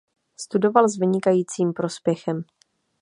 Studoval s vynikajícím prospěchem.